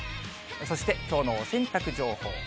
そしてきょうのお洗濯情報。